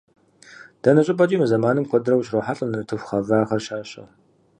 Дэнэ щӏыпӏэкӏи мы зэманым куэдрэ ущрохьэлӏэ нартыху гъэвахэр щащэу.